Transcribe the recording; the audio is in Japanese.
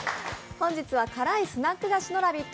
本日は辛いスナック菓子のラヴィット！